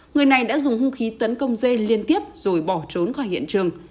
người này đã dùng hung khí tấn công dê liên tiếp rồi bỏ trốn khỏi hiện trường